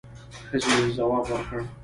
ښځې ځواب ورکړ.